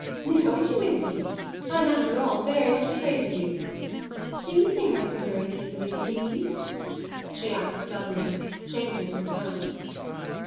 "Don't you indeed? I'm after all very much afraid of you. Do you think I'm so very easily pleased?" she asked suddenly, changing her tone.